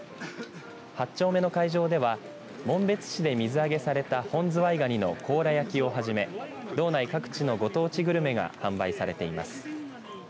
８丁目の会場では紋別市で水揚げされた本ズワイガニの甲羅焼きをはじめ道内各地のご当地グルメが販売されています。